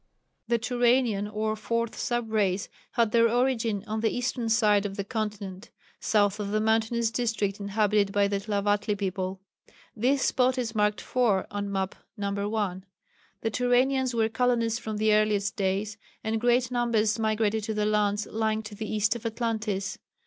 The Turanian or 4th sub race had their origin on the eastern side of the continent, south of the mountainous district inhabited by the Tlavatli people. This spot is marked 4 on Map No. 1. The Turanians were colonists from the earliest days, and great numbers migrated to the lands lying to the east of Atlantis.